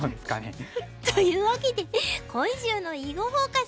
紫。というわけで今週の「囲碁フォーカス」